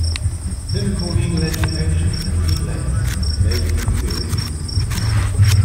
Clinical Legal Education and Legal Aid: The Canadian Experience.